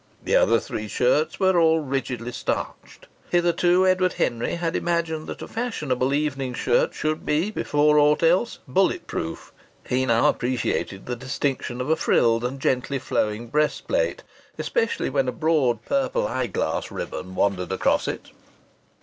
The other three shirts were all rigidly starched. Hitherto Edward Henry had imagined that a fashionable evening shirt should be, before aught else, bullet proof. He now appreciated the distinction of a frilled and gently flowing breast plate, especially when a broad purple eyeglass ribbon wandered across it.